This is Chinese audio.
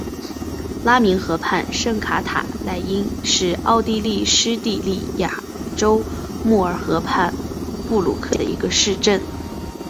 拉明河畔圣卡塔赖因是奥地利施蒂利亚州穆尔河畔布鲁克县的一个市镇。